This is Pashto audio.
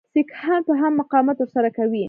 سیکهان به هم مقاومت ورسره کوي.